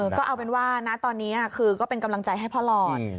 ก็เอาเป็นว่านะตอนนี้คือก็เป็นกำลังใจให้พ่อหลอด